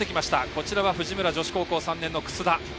こちらは藤村女子高校３年の楠田。